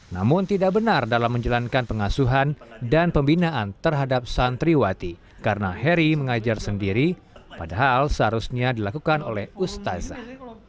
namun tidak benar dalam menjalankan pengasuhan dan pembinaan terhadap santriwati karena heri mengajar sendiri padahal seharusnya dilakukan oleh ustazah